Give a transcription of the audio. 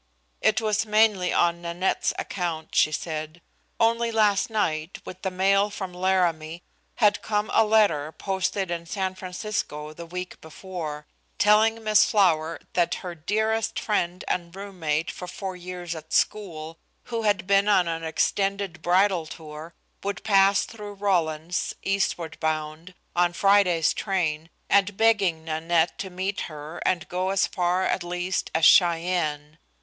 It was mainly on Nanette's account, she said. Only last night, with the mail from Laramie, had come a letter posted in San Francisco the week before, telling Miss Flower that her dearest friend and roommate for four years at school, who had been on an extended bridal tour, would pass through Rawlins, eastward bound, on Friday's train, and begging Nanette to meet her and go as far at least as Cheyenne.